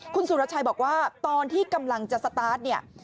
คุณสุรชัยบอกว่าตอนที่กำลังจะสตาร์ทเนี่ย